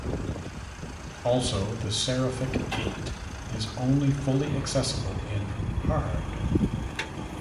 Also, the Seraphic Gate is only fully accessible in Hard.